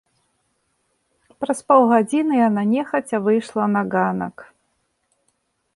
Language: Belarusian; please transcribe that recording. Праз паўгадзіны яна нехаця выйшла на ганак.